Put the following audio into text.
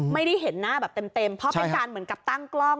ไม่ได้เห็นหน้าแบบเต็มเพราะเป็นการเหมือนกับตั้งกล้อง